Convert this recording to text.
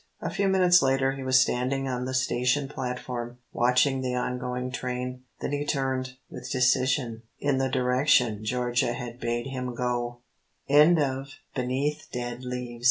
A few minutes later he was standing on the station platform, watching the on going train. Then he turned, with decision, in the direction Georgia had bade him go. CHAPTER XXXVIII PATCHWORK QUILTS And now